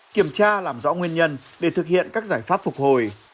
kiểm tra làm rõ nguyên nhân để thực hiện các giải pháp phục hồi